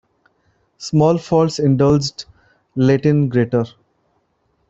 Small faults indulged let in greater.